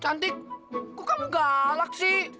eh cantik kok kamu galaksi